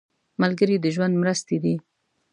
ملګری د ژوند مرستې دی